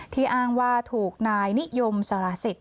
ที่อ้างว่าถูกนายนิยมสรสิทธิ์